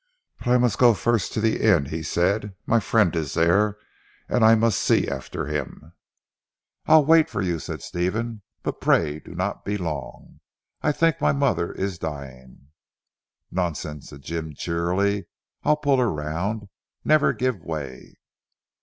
"But I must go first to the inn," he said, "my friend is there, and I must see after him." "I'll wait for you," said Stephen, "but pray do not be long. I think my mother is dying." "Nonsense," said Dr. Jim cheerily, "I'll pull her round. Never give way."